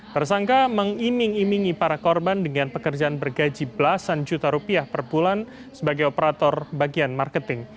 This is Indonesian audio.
tersangka mengiming imingi para korban dengan pekerjaan bergaji belasan juta rupiah per bulan sebagai operator bagian marketing